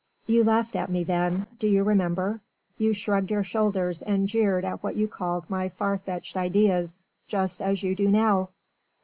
You laughed at me then ... do you remember?... you shrugged your shoulders and jeered at what you call my far fetched ideas ... just as you do now.